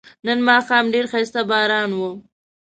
نن ماښام ډیر خایسته باران و